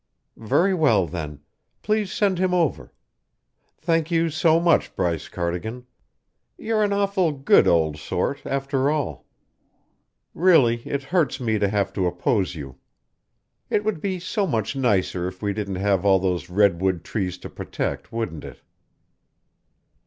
"Very well, then. Please send him over. Thank you so much, Bryce Cardigan. You're an awful good old sort, after all. Really, it hurts me to have to oppose you. It would be so much nicer if we didn't have all those redwood trees to protect, wouldn't it?"